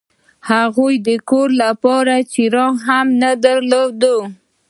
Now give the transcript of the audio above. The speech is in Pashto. هغوی د کور لپاره څراغ هم نه درلود